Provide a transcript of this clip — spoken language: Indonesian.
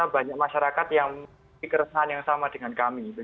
banyak masyarakat yang dikeresahan yang sama dengan kami